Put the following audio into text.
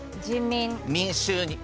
民衆に。